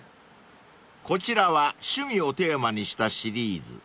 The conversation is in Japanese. ［こちらは趣味をテーマにしたシリーズ］